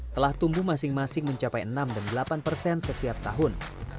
telah tumbuh masing masing mencapai enam dan delapan persen setiap tahun